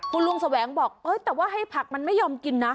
คุณลุงแสวงบอกแต่ว่าให้ผักมันไม่ยอมกินนะ